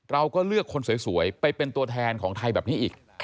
เราก็เลือกคนสวยไปเป็นตัวแทนของไทยแบบนี้อีก